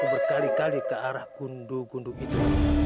berkali kali ke arah gunduk gunduk itu